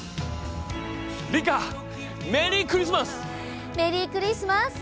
リカメリークリスマス！